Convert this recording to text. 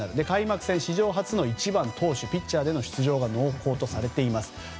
開幕戦史上初の１番投手、ピッチャーでの出場が濃厚とされています。